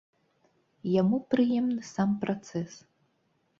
Яму прыемны сам працэс.